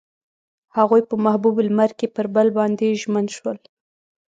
هغوی په محبوب لمر کې پر بل باندې ژمن شول.